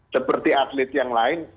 seperti atlet yang lain